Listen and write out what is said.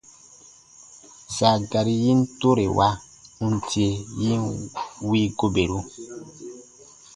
Sa garin tore wa, n tie yin wii goberu.